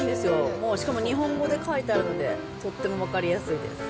もうしかも、日本語で書いてあるので、とっても分かりやすいです。